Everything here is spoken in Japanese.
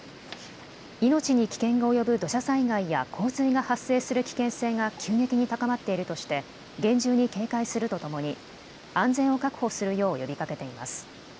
命に危険が及ぶ土砂災害や洪水が発生する危険性が急激に高まっているとして厳重に警戒するとともに、安全を確保するよう呼びかけています。